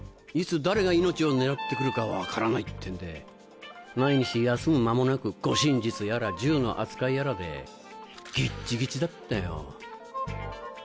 いつ誰が命を狙って来るか分からないってんで毎日休む間もなく護身術やら銃の扱いやらでギッチギチだったよ。